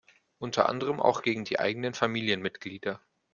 Unter anderem auch gegen die eigenen Familienmitglieder.